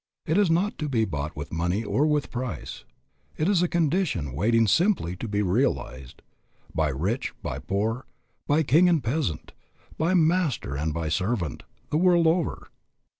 It is not to be bought with money or with price. It is a condition waiting simply to be realized, by rich and by poor, by king and by peasant, by master and by servant the world over.